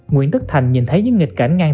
nguyễn tất thành nhìn thấy những nghịch cảnh ngang